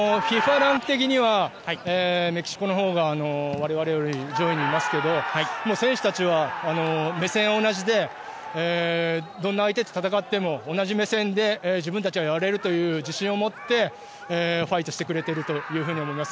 ランキング的にはメキシコのほうが我々よりも上位にいますけど選手たちは、目線は同じでどんな相手と戦っても同じ目線で自分たちはやれるという自信を持ってファイトしてくれていると思います。